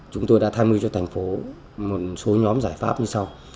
chúng tôi đã tham mưu cho thành phố một số nhóm giải pháp như sau